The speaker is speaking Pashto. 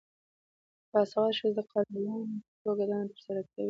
باسواده ښځې د قاضیانو په توګه دنده ترسره کوي.